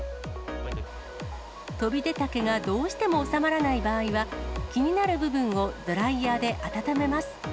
飛び出た毛がどうしても収まらない場合は、気になる部分をドライヤーで温めます。